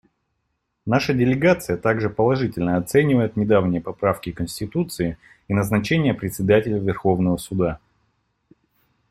Наша делегация также положительно оценивает недавние поправки к Конституции и назначение Председателя Верховного суда.